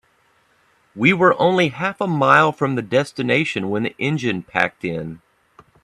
We were only half a mile from the destination when the engine packed in.